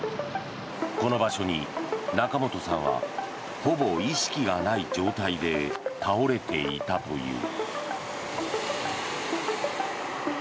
この場所に仲本さんはほぼ意識がない状態で倒れていたという。